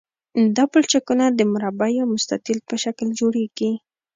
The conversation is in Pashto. دا پلچکونه د مربع یا مستطیل په شکل جوړیږي